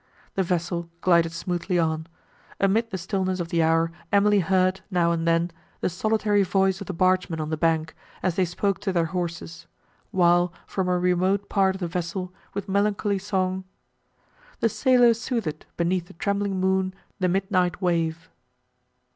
The vessel glided smoothly on: amid the stillness of the hour Emily heard, now and then, the solitary voice of the barge men on the bank, as they spoke to their horses; while, from a remote part of the vessel, with melancholy song, The sailor sooth'd, Beneath the trembling moon, the midnight wave.